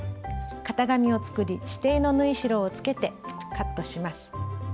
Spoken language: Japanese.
型紙を作り指定の縫い代をつけてカットします。